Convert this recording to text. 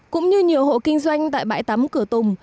cũng như nhiều hộ kinh doanh tại bãi tắm cửa tùng